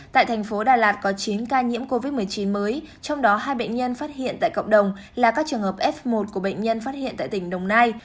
tại thành phố đà lạt có chín ca nhiễm covid một mươi chín mới trong đó hai bệnh nhân phát hiện tại cộng đồng là các trường hợp f một của bệnh nhân phát hiện tại tỉnh đồng nai